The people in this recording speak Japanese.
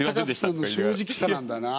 高瀬さんの正直さなんだな。